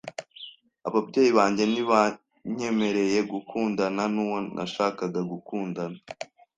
Ababyeyi banjye ntibanyemereye gukundana nuwo nashakaga gukundana.